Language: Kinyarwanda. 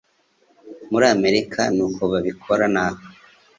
murii America ni uko babikora naho.